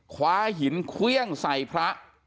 คว้าหินเครื่องใส่พระ